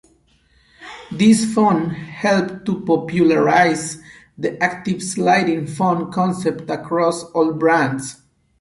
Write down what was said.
This phone helped to popularise the 'active' sliding phone concept across all brands.